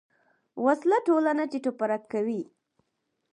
وسله ټولنه تیت و پرک کوي